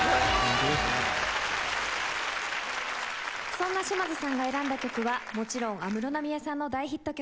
そんな島津さんが選んだ曲はもちろん安室奈美恵さんの大ヒット曲